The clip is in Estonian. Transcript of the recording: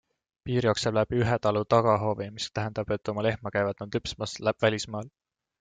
Piir jookseb läbi ühe talu tagahoovi, mis tähendab, et oma lehma käivad nad lüpsmas välismaal.